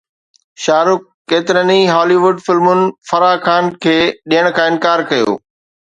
شاهه رخ ڪيترن ئي هالي ووڊ فلمن فرح خان کي ڏيڻ کان انڪار ڪيو